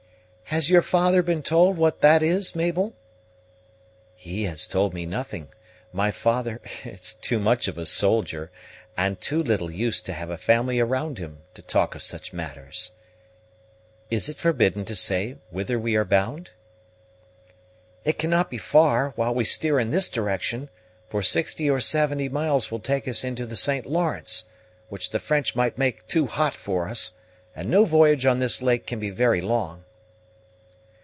"Has your father then told you what that is, Mabel?" "He has told me nothing; my father is too much of a soldier, and too little used to have a family around him, to talk of such matters. Is it forbidden to say whither we are bound?" "It cannot be far, while we steer in this direction, for sixty or seventy miles will take us into the St. Lawrence, which the French might make too hot for us; and no voyage on this lake can be very long."